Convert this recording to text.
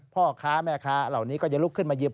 พ่อค้าแม่ค้าเหล่านี้ก็จะลุกขึ้นมายิม